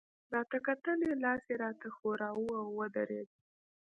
راته کتل يې، لاس يې راته ښوراوه، او ودرېد.